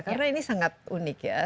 karena ini sangat unik ya